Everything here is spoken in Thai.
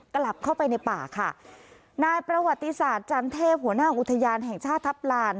กลับเข้าไปในป่าค่ะนายประวัติศาสตร์จันเทพหัวหน้าอุทยานแห่งชาติทัพลาน